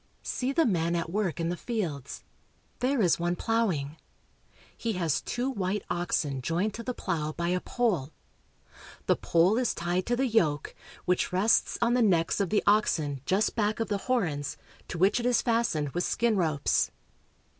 See the men at work in the fields. There is one plow ing. He has two white oxen joined to the plow by a pole. The pole is tied to the yoke, which rests on the necks of the oxen just back of the horns, to which it is fast ened with skin ropes.